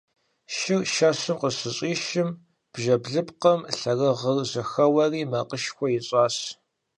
Шыр шэщым къыщыщӀишым бжэ блыпкъым лъэрыгъыр жьэхэуэри макъышхуэ ищӀащ.